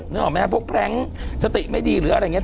นึกออกไหมพวกแพร๊งสติไม่ดีหรืออะไรเนี่ย